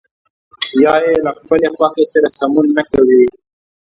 یا يې له خپلې خوښې سره سمون نه کوي.